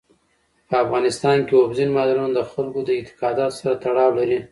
په افغانستان کې اوبزین معدنونه د خلکو د اعتقاداتو سره تړاو لري.